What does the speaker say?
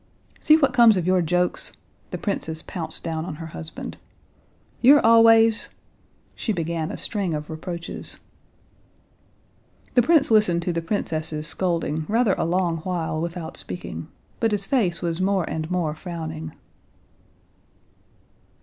"See what comes of your jokes!" the princess pounced down on her husband. "You're always...." she began a string of reproaches. The prince listened to the princess's scolding rather a long while without speaking, but his face was more and more frowning.